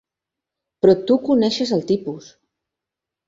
Però tu coneixes el tipus.